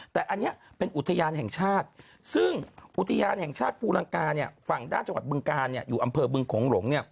แต่อันนี้เป็นอุทยานแห่งชาติซึ่งอุทยานแห่งชาติภูลังกาฝั่งด้านจังหวัดบึงกาลอยู่อำเภอบึงโขงหลง